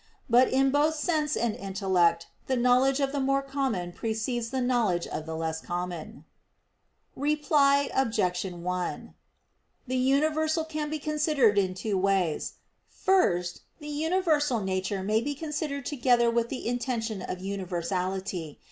But in both sense and intellect the knowledge of the more common precedes the knowledge of the less common. Reply Obj. 1: The universal can be considered in two ways. First, the universal nature may be considered together with the intention of universality.